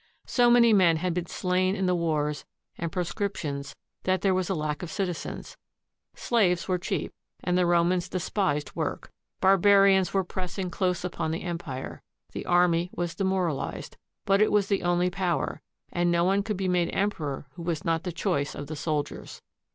So many men had been slain in the wars and proscriptions that there was a lack of citizens. Slaves were cheap, and the Romans despised work. Barbarians were pressing close upon the empire. The army was demoralized; but it was the only power, and no one could be made emperor who was not the choice of the soldiers.